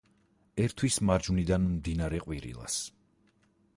ერთვის მარჯვნიდან მდინარე ყვირილას.